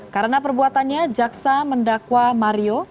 karena perbuatannya jaksa mendakwa mario